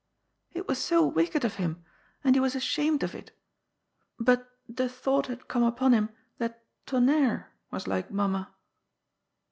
*' It was so wicked of him, and he was ashamed of it. But the thought had come upon him that Tonnerre was like mamma."